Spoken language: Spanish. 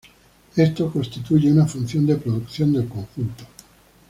Esto constituye una función de producción del conjunto.